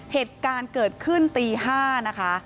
เหตุการณ์เกิดขึ้นตี๕นะคะ